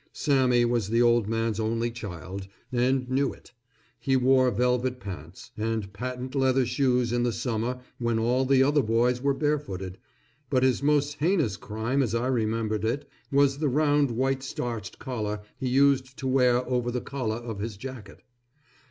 Sammy was the old man's only child, and knew it. He wore velvet pants: and patent leather shoes in the summer when all the other boys were barefooted; but his most heinous crime as I remembered it, was the round white starched collar he used to wear over the collar of his jacket.